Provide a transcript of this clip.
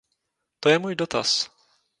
To je můj dotaz.